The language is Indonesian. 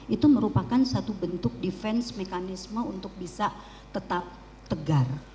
itu merupakan satu bentuk defense mekanisme untuk bisa tetap tegar